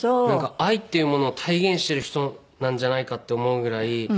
なんか愛っていうものを体現している人なんじゃないかって思うぐらい。